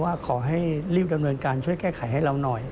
ว่าขอให้รีบรำนวนการช่วยแก้ไขให้เราน้อย